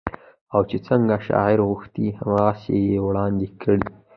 او چې څنګه شاعر غوښتي هغسې يې وړاندې کړې